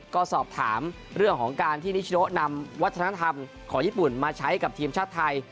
ก็สอบถามเรื่องของการที่นิชโนนำวัฒนธรรมของญี่ปุ่นมาใช้กับทีมชาติไทย